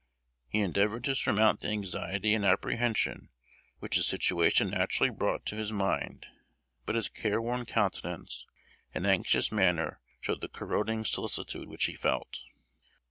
He endeavored to surmount the anxiety and apprehension which his situation naturally brought to his mind; but his care worn countenance and anxious manner showed the corroding solicitude which he felt.